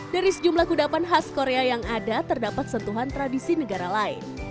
dari sejumlah kudapan khas korea yang ada terdapat sentuhan tradisi negara lain